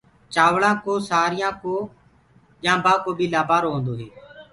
چآوݪآ ڪو سآريآ ڪو ڄآنٚڀآ ڪو بي لآبآرو هيندو هي۔